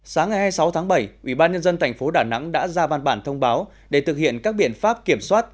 sáng ngày hai mươi sáu tháng bảy ubnd tp đà nẵng đã ra văn bản thông báo để thực hiện các biện pháp kiểm soát